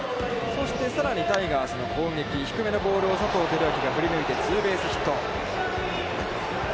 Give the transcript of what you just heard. そしてタイガースの攻撃、低めのボールを佐藤輝明が振り抜いて、ツーベースヒット。